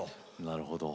なるほど。